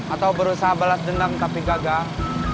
atau berusaha balas dendam tapi gagal